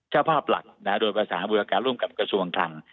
เจ้าภาพหลักโดยภาษาบูรการร่วมกับกระทรวงคลัง